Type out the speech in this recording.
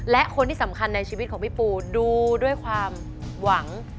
และคนที่สำคัญในชีวิตของพี่ปูดูด้วยความหวัง